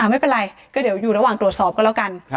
ไม่เป็นไรก็เดี๋ยวอยู่ระหว่างตรวจสอบก็แล้วกัน